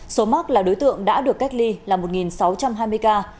số mắc là đối tượng đã được cách ly là một sáu trăm hai mươi ca